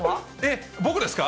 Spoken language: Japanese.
僕ですか？